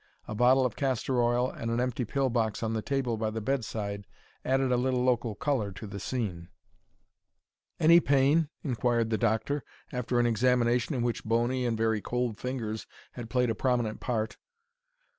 A bottle of castor oil and an empty pill box on the table by the bedside added a little local colour to the scene. "Any pain?" inquired the doctor, after an examination in which bony and very cold fingers had played a prominent part.